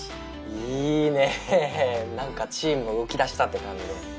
いいね何かチームが動きだしたって感じで。